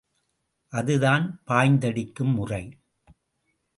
அதுதான் பாய்ந்தடிக்கும் முறை.